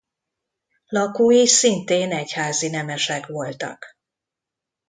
Lakói szintén egyházi nemesek voltak.